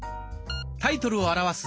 タイトルを表す